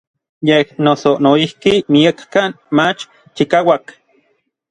Yej noso noijki miekkan mach chikauak.